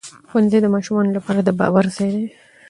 ښوونځی د ماشومانو لپاره د باور ځای دی